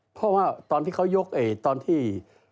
เพราะว่าตอนที่เขายกตอนที่